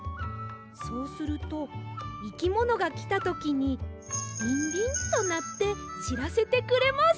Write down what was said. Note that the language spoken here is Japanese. そうするといきものがきたときにリンリンとなってしらせてくれます！